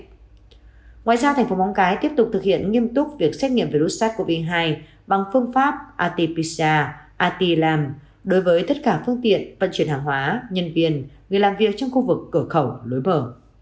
ngoài ra tp mông cái tiếp tục thực hiện nghiêm túc việc xét nghiệm virus sars cov hai bằng phương pháp ati pisa ati lam đối với tất cả phương tiện vận chuyển hàng hóa nhân viên người làm việc trong khu vực cửa khẩu lối mở